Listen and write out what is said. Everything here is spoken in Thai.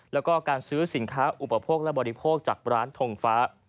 แล้วก็การซื้อสินค้าอุปโภคและบริโภคจากร้านทงฟ้า